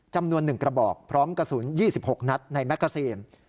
จำนวน๑กระบอกพร้อมกระสุน๒๖นัดในแกซีน